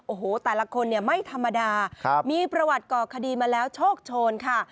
โอ้โหแต่ละคนเนี่ยไม่ธรรมดามีประวัติก่อคดีมาแล้วโชคโชนค่ะ